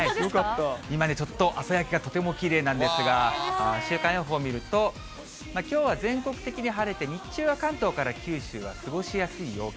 今ね、ちょっと朝焼けがとてもきれいなんですが、週間予報見ると、きょうは全国的に晴れて、日中は関東から九州は過ごしやすい陽気。